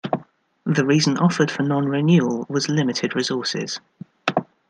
The reason offered for non-renewal was limited resources.